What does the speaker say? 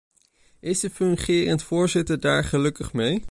Is de fungerend voorzitter daar gelukkig mee?